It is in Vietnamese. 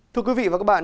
thưa quý vị và các bạn